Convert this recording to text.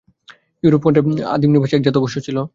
ইউরোপখণ্ডের আদিমনিবাসী এক জাত অবশ্য ছিল।